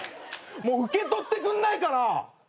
もう受け取ってくんないかな！？